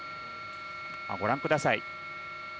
ご覧ください。